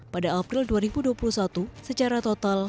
pada april dua ribu dua puluh satu secara total